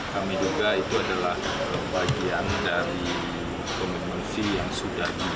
kami duga itu adalah bagian dari komitmen fee yang sudah dibuat